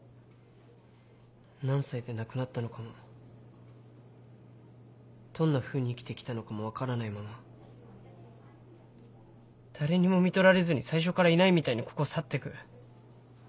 何歳で亡くなったのかもどんなふうに生きてきたのかも分からないまま誰にもみとられずに最初からいないみたいにここを去ってく。